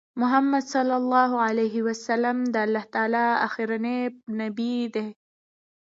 محمد صلی الله عليه وسلم د الله تعالی آخرنی نبی دی